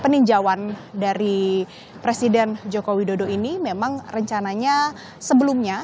peninjauan dari presiden joko widodo ini memang rencananya sebelumnya